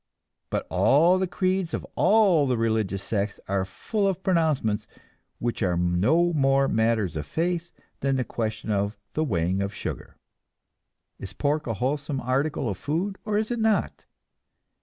But all the creeds of all the religious sects are full of pronouncements which are no more matters of faith than the question of the weighing of sugar. Is pork a wholesome article of food or is it not?